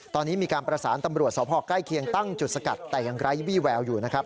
ตอนนี้มีการประสานตำรวจสพใกล้เคียงตั้งจุดสกัดแต่ยังไร้วี่แววอยู่นะครับ